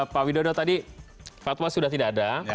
pak widodo tadi fatwa sudah tidak ada